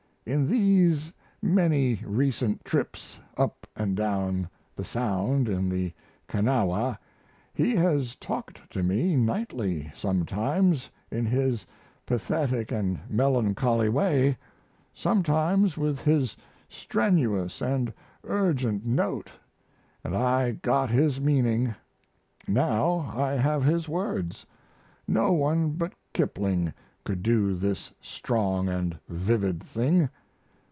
In these many recent trips up and down the Sound in the Kanawha he has talked to me nightly sometimes in his pathetic and melancholy way, sometimes with his strenuous and urgent note, and I got his meaning now I have his words! No one but Kipling could do this strong and vivid thing.